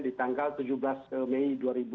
di tanggal tujuh belas mei dua ribu dua puluh